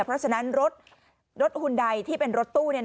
เพราะฉะนั้นรถหุ่นใดที่เป็นรถตู้